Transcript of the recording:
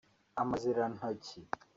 amazirantoki